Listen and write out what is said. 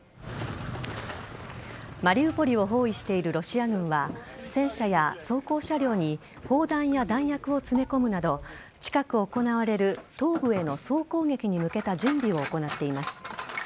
マリウポリを包囲しているロシア軍は戦車や装甲車両に砲弾や弾薬を詰め込むなど近く行われる東部への総攻撃に向けた準備を行っています。